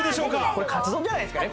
これ、カツ丼じゃないですかね？